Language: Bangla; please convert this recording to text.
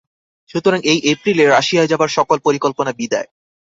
সুতরাং এই এপ্রিলে রাশিয়ায় যাবার সকল পরিকল্পনা বিদায়।